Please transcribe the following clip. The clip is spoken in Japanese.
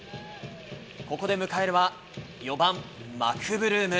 ここで迎えるは４番マクブルーム。